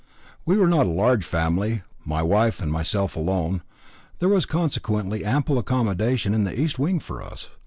We were not a large family, my wife and myself alone; there was consequently ample accommodation in the east wing for us.